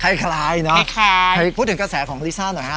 คล้ายคล้ายเนอะคล้ายคล้ายให้พูดถึงกระแสของลิซ่าหน่อยฮะ